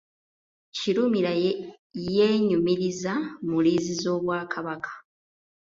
Kirumira yeenyumiriza mu liizi z’Obwakabaka.